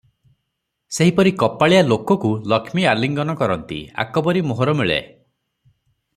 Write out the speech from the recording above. ସେହିପରି କପାଳିଆ ଲୋକକୁ ଲକ୍ଷ୍ମୀ ଆଲିଙ୍ଗନ କରନ୍ତି, ଆକବରୀ ମୋହର ମିଳେ ।